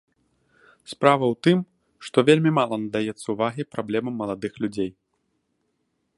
Справа ў тым, што вельмі мала надаецца ўвагі праблемам маладых людзей.